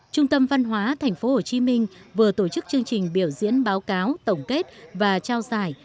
trung tâm văn hóa tp hcm vừa tổ chức chương trình biểu diễn báo cáo tổng kết và trao giải